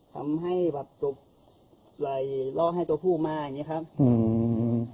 ทำให้แบบจบไหล่ล้อให้ตัวผู้มาอย่างเงี้ครับอืม